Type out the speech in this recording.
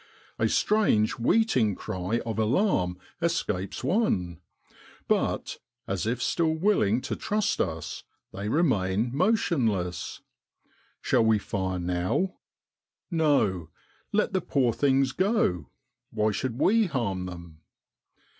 A strange weeting cry of alarm escapes one ; but, as if still willing to trust us, they remain motionless. Shall we fire now? No! let the poor things go, why should we harm them